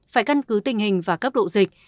phải cân cứ tình hình và cấp độ dịch